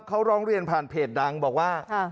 เขาร้องเรียนผ่านเพจดังบอกว่า